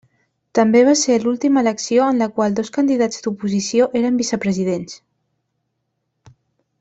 També va ser l'última elecció en la qual dos candidats d'oposició eren vicepresidents.